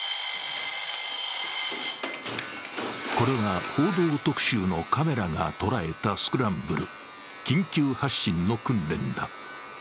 これは「報道特集」のカメラが捉えたスクランブル緊急発進の訓練だ。